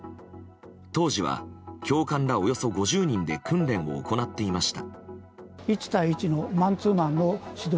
当時は教官らおよそ５０人で訓練を行っていました。